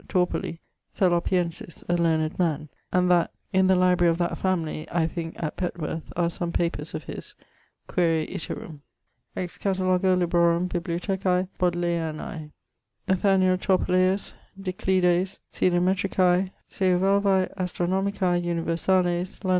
Torporley, Salopiensis, a learned man; and that in the library of that family (I thinke) at Petworth, are some papers of his: quaere iterum. Ex catalogo librorum Bibliothecae Bodleianae: Nath. Torporlaeus, Diclides coelometricae, seu valvae astronomicae universales: Lond.